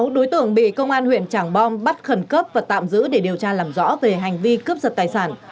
sáu đối tượng bị công an huyện trảng bom bắt khẩn cấp và tạm giữ để điều tra làm rõ về hành vi cướp giật tài sản